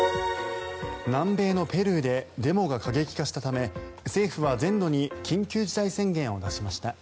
南米のペルーでデモが過激化したため政府は全土に緊急事態宣言を出しました。